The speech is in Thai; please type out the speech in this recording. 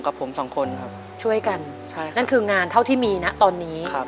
กับผมสองคนครับช่วยกันใช่นั่นคืองานเท่าที่มีนะตอนนี้ครับ